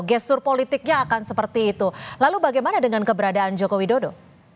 gestur politiknya akan seperti itu lalu bagaimana dengan keberadaan joko widodo